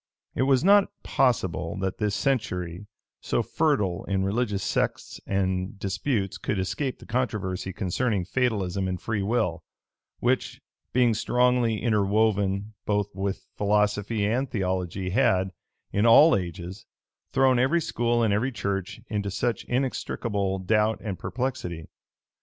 It was not possible that this century, so fertile in religious sects and disputes, could escape the controversy concerning fatalism and free will, which, being strongly interwoven both with philosophy and theology had, in all ages, thrown every school and every church into such inextricable doubt and perplexity.